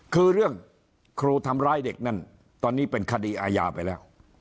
คือเรื่องครูทำร้ายเด็กนั่นตอนนี้เป็นคดีอาญาไปแล้ว